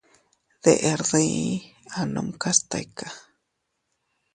Deʼer dii, anumkas tika.